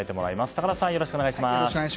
高田さんよろしくお願いします。